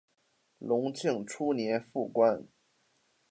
隆庆初年复官。